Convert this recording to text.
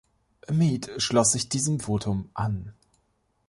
Mead schloss sich diesem Votum an.